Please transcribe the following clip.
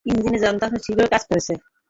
ইঞ্জিনের যন্ত্রাংশ ঠিকভাবে কাজ করছে।